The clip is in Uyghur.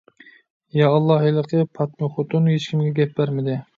يائاللا، ھېلىقى پاتمىخوتۇن ھېچكىمگە گەپ بەرمىدى.